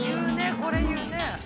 これ言うね。